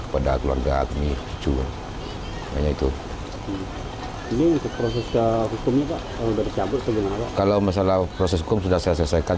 kepada keluarga kami itu hanya itu ini prosesnya kalau masalah proses hukum sudah selesaikan